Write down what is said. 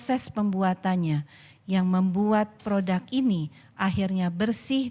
kami yakin vaksin ini sudah melalui transformasi yang menyeluruh